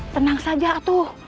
tenang saja atuh